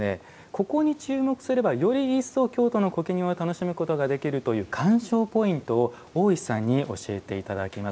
ここに注目すればより一層京都の苔を楽しむことができるという鑑賞ポイントを大石さんに教えていただきます。